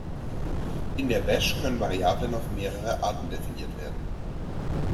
In der Bash können Variablen auf mehrere Arten definiert werden.